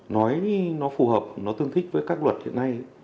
nói nó phù hợp nó tương thích với các luật hiện nay